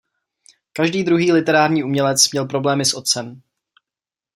Každý druhý literární umělec měl problémy s otcem.